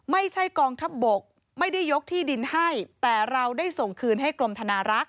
ไม่ใช่กองทัพบกไม่ได้ยกที่ดินให้แต่เราได้ส่งคืนให้กรมธนารักษ